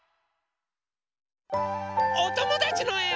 おともだちのえを。